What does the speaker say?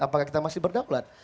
apakah kita masih berdaulat